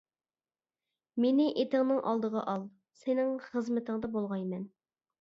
مېنى ئېتىڭنىڭ ئالدىغا ئال، سېنىڭ خىزمىتىڭدە بولغايمەن.